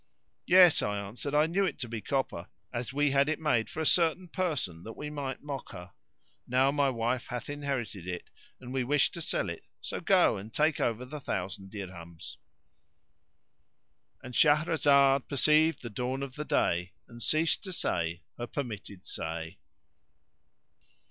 "Yes," I answered, "I knew it to be copper, as we had it made for a certain person that we might mock her: now my wife hath inherited it and we wish to sell it; so go and take over the thousand dirhams."—And Shahrazad perceived the dawn of day and ceased to say her permitted say.